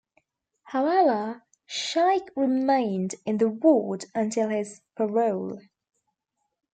However, Shaik remained in the ward until his parole.